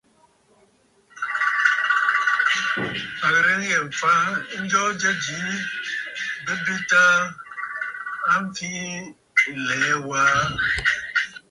À ghɨ̀rə ŋghɛ̀ɛ̀ m̀fa ǹjoo jya jìi bɨ betə aa, a mfiʼi ɨlɛ̀ɛ̂ waa.